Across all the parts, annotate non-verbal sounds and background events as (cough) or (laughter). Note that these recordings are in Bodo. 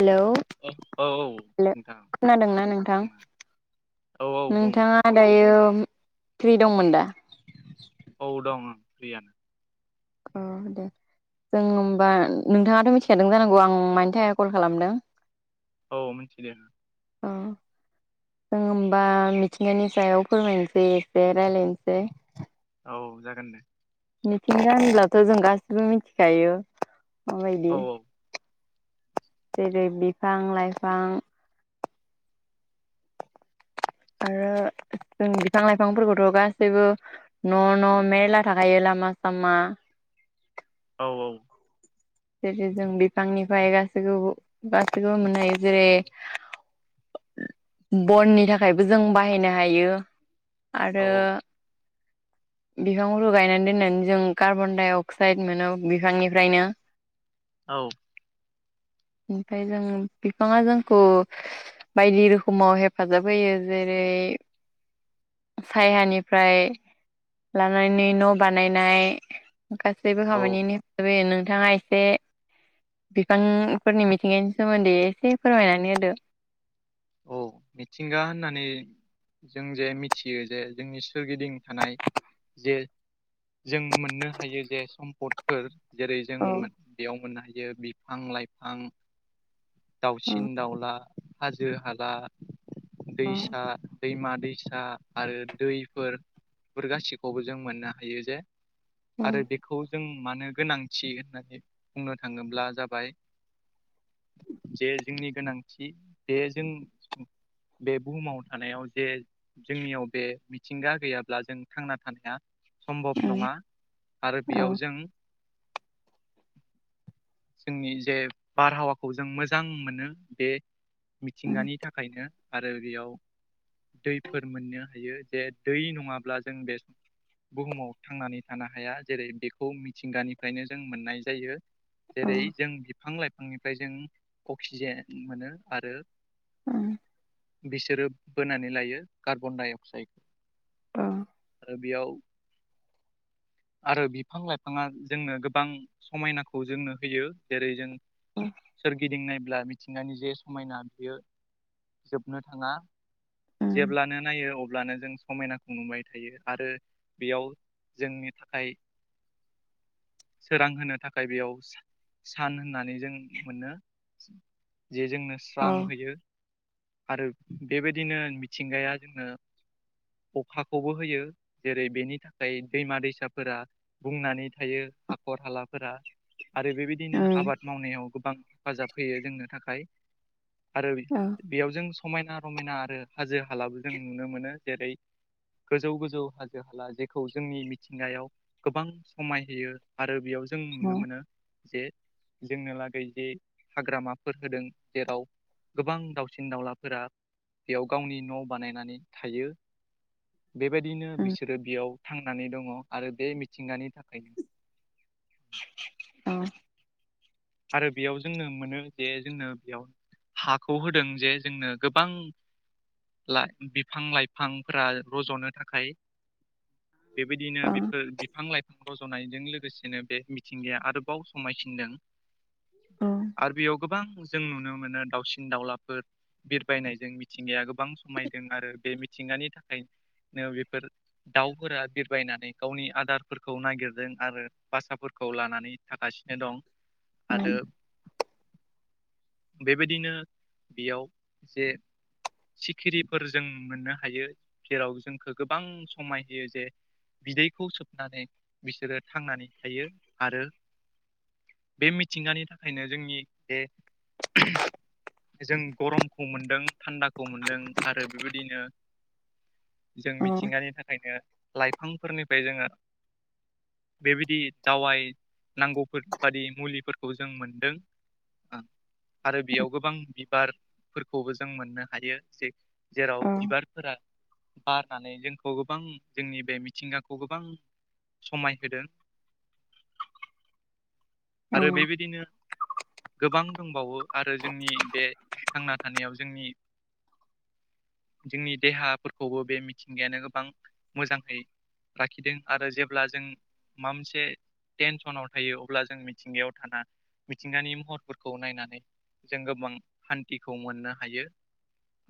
हेलौ औ औ औ हेल नोंथां खोनादोंना नोंथां। बुंनो औ औ बुं नोंथाङा दायो फ्रि दंमोन दा? औ दं फ्रियानो अ दे जों होमबा नोंथाङाथ मिथिखादों जानांगौ आं मानि थाखाय कल खालामदों। औ मिथिदे ओ जों होमबा मिथिंगानि सायाव फोरमायनोसै एसे रायजलायनोसै। औ जागोन दे मिथिंगाहोनब्लाथ जों गासिबो मिथिखायो औ माबायदि जेरै बिफां लाइफां आरो बिफां लाइफांफोरखौथ गासैबो न न मेरला थाखायो। लामा सामा औ औ जेरै जों बिफांनिफ्राय गासैखौबो गासैखौबो मोननाय जेरै बननि थाखायबो जों बाहायनो हायो। औ आरो बिफांफोरखौ गायनानै दोननानै जों कार्बनडाइ अक्साइड मोनो बिफांनिफ्रायनो औ ओमफफ्राय जों बिफाङा जोंखौ बायदि रोखोमाव हेफाजाब होयो। जेरै बे सायहानिफ्राय लानानै न बानायनाय गासैबो औ खामानिनि बागै नोंथाङा एसे बिफां फोरनि मिथिंगानि सोमोन्दै एसे फोरमायनानै होदो। औ मिथिंगा होननानै जों जे मिथियो जे जोंनि सोरगिदिं थानाय जे जों मोननो हायो जे सम्पदफोर जेरै जों औ बेयाव मोननो हायो बिफां लाइफां औ दाउसिन दाउला हाजो हाला औ दैसा दैमा दैसा फिसा आरो दैफोरफोर गासिखौबो जों मोननो हायो जे औ आरो बेखौ जों मानो गोनां थि होननानै बुंनो थाङोब्ला जाबाय जे जोंनि गोनांथि जे जों बे बुहुमाव थानायाव जे जोंनियाव बे मिथिंगा गैयाब्ला जों थांना थानाया औ सम्भब नङा आरो बेयाव जों (inaudible) जोंनि जे बारहावाखौ जों मोजां मोनो बे मिथिंगानि थाखायनो आरो बेयाव दैफोर मोननो हायो जे दै नङाब्ला जों बे बुहुमाव थांनानै थानो हाया जेरै बेखौ मिथिंगानिफ्रायनो जों मोननाय जायो। औ जेरै जों बिफां लाइफांनिफ्राय जों अक्सिजेन मोनो आरो उम बिसोरो बोनानै लायो कार्बन-डाइ-अक्साइडखौ। आरो बेयाव आरो बिफां लाइफाङा जोंनो गोबां समायनाखौ जोंनो होयो जेरै जों सोरगिदिं नायब्ला मिथिंगानि जे समायना बियो जोबनो थाङा। जेब्लानो नायो अब्लानो जों समायनाखौ नुबाय थायो आरो बेयाव जोंनि थाखाय सोरां होनो थाखाय बेयाव सान होननानै जों मोनो जे जोंनो स्रां होयो आरो बेबायदिनो मिथिंगाया जोंनो अखाखौबो होयो जेरै बेनि थाखाय दैमा दैसाफोरा बुंनानै थायो। हाखर हालाफोरा आरो औ बेबायदिनो आबाद मावनायाव गोबां हेफाजाब होयो जोंनो थाखाय। आरो औ बेयाव जों समायना रमायना आरो हाजो हालाबो जों नुनो मोनो जेरै गोजौ गोजौ हाजो हाला जेखौ जोंनि मिथिंगाव गोबां समाय होयो आरो बेयाव जों औ नुनो मोनो। जे जोंनो लागै जे हाग्रामाफोर होदों जेराव गोबां दाव सिन दावउलाफोरा बेयाव गावनि न' बानायनानै थायो। बेबायदिनो बिसोरो बेयाव थांनानै दङ आरो बे मिथिंगानि थाखायनो औ आरो बेयाव जोंनो मोनो जे जोंनो बेयाव हाखौ होदों जे जोंनो गोबां ला-बिफां लाइफांफोरा रज'नो थाखाय (inaudible) बेबायदिनो बेफोर बिफां लाइफां रज'नायजों लोगोसेनो बे मिथिंगाया आरोबाव समायसिनदों। आरो बेयाव गोबां जों नुनो मोनो दावसिन दावलाफोर बिरबायनायजों मिथिंगाया गोबां समायदों आरो बे मिथिं गानि थाखाय नो बेफोर दाउफोरा बिरबायनानै गावनि आदारफोरखौ नागिरदों आरो बासाफोर खौ लानानै थागासिनो दं आरो बेबायदिनो बेयाव जे सिखिरिफोर जों मोननो हायो जेराव जोंखो गोबां समायहोयो जे बिदैखौ सोबनानै बिसोरो थांनानै थायो आरो बे मिथिंगानि थाखायनो जोंनि बे जों गरमखौ मोन्दों थान्दाखौ मोनदों आरो बेबायदिनो जों मिथिंगानि थाखायनो लाइफांफोरनिफ्राय जोङो बेबायदि दावाय नांगौ फोरबादि मुलिफोरखौ जों मोनदों आरो बेयाव गोबां बिबार फोरखौबो जों मोननो हायो जे जेराव बिबारफोरा बारनानै जोंखौ गोबां जोंनि बे मिथिंगाखौ गोबां समाय होदों। (inaudible) आरो बेबायदिनो गोबां दंबावो आरो जोंनि बे थांना थानायाव जोंनि जोंनि देहाफोरखौबो बे मिथिंगायानो गोबां मोजाङै लाखिदों आरो जेब्ला जों माबा मोनसे टेनसनाव थायो अ अब्ला जों मिथिंगायाव थाना मिथिंगानि महरफोरखौ नायनानै जों गोबां हान्थिखौ मोननो हायो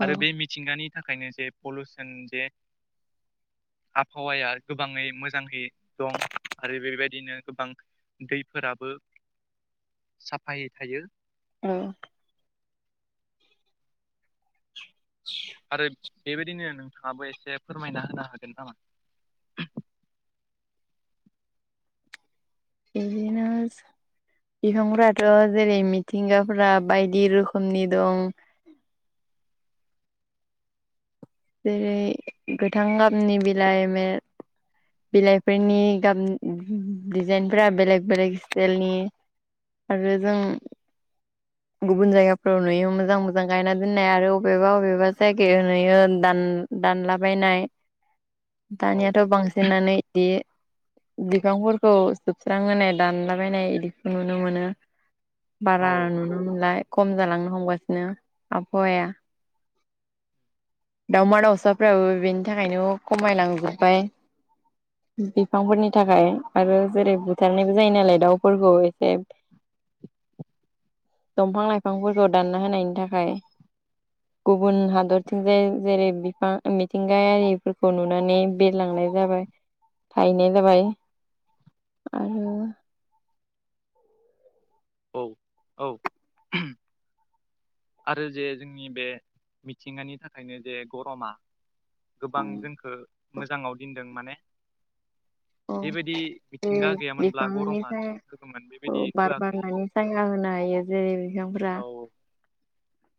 आरो बे मिथिंगानि थाखायनो जे पलउसन जे आबहावाया गोबाङै मोजाङै दं आरो बेबायदिनो गोबां दैफोराबो साफायै थायो। औ (inaudible) आरो बेबायदिनो नोंथाङाबो एसे फोरमायना होनो हागोन नामा? बेदिनो बिफांफोराथ' जेरै मिथिंगाफोरा बायदि रोखोमनि दं। (inaudible) जेरै गोथां गाबनि बिलाइ मे बिलाइफोरनि गाब डिजाइनफोरा बेलेग बेलेग स्टाइलनि आरो जों गुबुन जायगाफोराव नुयो मोजां मोजां गायना दोननाय आरो बबेबा बबेबा जायगायाव नुयो दान दानलाबायनाय औ दानियाथ' बांसिनानो इदि बिफांफोरखौ जोबस्रां होनाय दानलाबायनाय इदिखौ नुनो मोनो। औ बारा नुनो मोनला खम जालांनो हमगासिनो आबहावाया दावमा दाउसाफ्राबो बेनि थाखायनो खमायलांजोबबाय। बिफांफोरनि थाखाय आरो जेरै बुथारनायबो जायो नालाय दाउफोरखौ एसे दंफां लाइफांफोरखौ दानना होनायनि थाखाय गुबुन हादरथिं जाय जेरै बिफां मिथिंगायारिफोरखौ नुनानै बेरलां नाय जानाय (unintelligible) जाबाय आरो। औ औ आरो जे जोंनि बे मिथिंगानि थाखायनो जे गरमा गोबां उम जोंखौ मोजाङाव दोनदों माने (inaudible) औ बेबायदि बे मिथिंगा गैयामोनब्ला गरमा बिफांनिफ्राय होगौमोन औ बेबायदि बार होआखै बारनानै साया होनाय जायो जेरै बिफांफोरा औ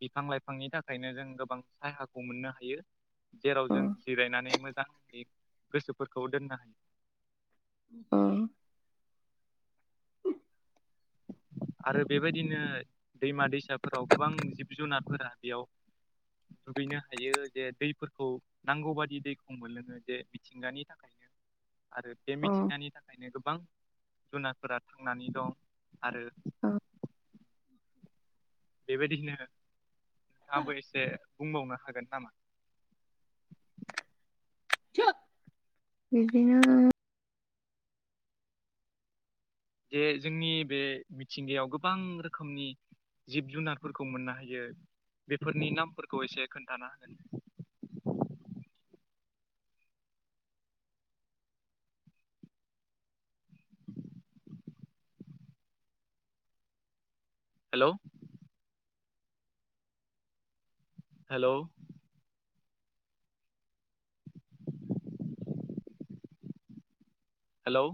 बिफां लाइफांनि थाखायनो जों गोबां साहाखौ मोननो हायो। जेराव अ जों जिरायनानै मोजां गोसोफोरखौ दोननो हायो। उम आरो बेबायदिनो दैमा दैसाफोराव गोबां जिब जुनारफोरा बेयाव दुगैनो हायो जे दैफोरखौ नांगौ बादि दैखौ मोनलोङो जे मिथिंगानि थाखायनो (inaudible) आरो बे अ मिथिंगानि थाखायनो गोबां जुनारफोरा थांनानै दं आरो। औ बेबायदिनो नोंथाङाबो एसे बुंबावनो हागोन नामा? बिदिनो जे जोंनि बे मिथिंगायाव गोबां रोखोमनि जिब जुनारफोरखौ मोननो हायो बेफोरनि नामफोरखौ एसे खोन्थानो हागोन। (inaudible) Hello hello hello